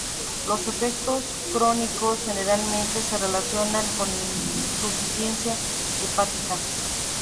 Los efectos crónicos generalmente se relacionan con insuficiencia hepática.